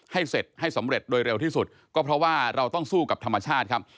ให้เสร็จให้สำเร็จโดยเร็วที่สุดก็เพราะว่าเราต้องสู้กับธรรมชาติครับ